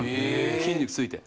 筋肉付いて。